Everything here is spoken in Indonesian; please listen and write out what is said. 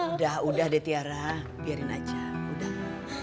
udah udah deh tiara biarin aja udah